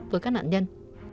với các nạn nhân